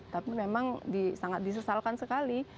tapi memang disesalkan sekali